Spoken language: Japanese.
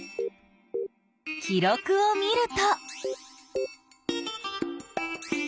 記録を見ると。